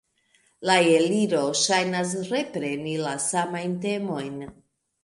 La Eliro ŝajnas repreni la samajn temojn.